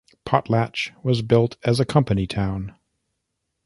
Potlatch was built as a company town.